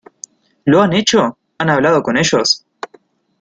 ¿ lo han hecho? ¿ han hablado con ellos ?